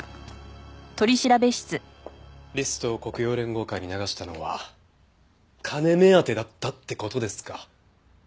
リストを黒洋連合会に流したのは金目当てだったって事ですか？